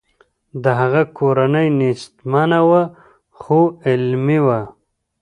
د هغه کورنۍ نیستمنه وه خو علمي وه